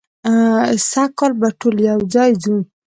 سږ کال به ټول یو ځای ځو.